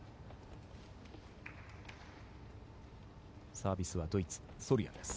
サービスはドイツのソルヤです。